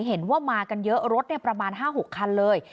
เห็นว่ามากันเยอะรถประมาณ๕๖คันเลย